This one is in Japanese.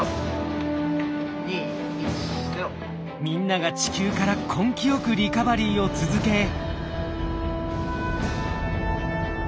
みんなが地球から根気よくリカバリーを続け。